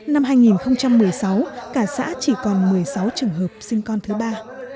năm hai nghìn một mươi sáu cả xã chỉ còn một mươi sáu trường hợp sinh con thứ ba